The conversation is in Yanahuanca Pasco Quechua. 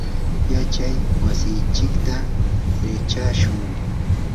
yachay wasinchikta alichashun.